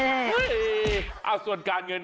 เออส่วนการเงิน